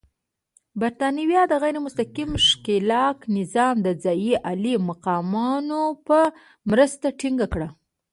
برېټانویانو د غیر مستقیم ښکېلاک نظام د ځايي عالي مقامانو په مرسته ټینګ کړ.